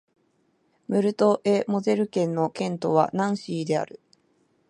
ムルト＝エ＝モゼル県の県都はナンシーである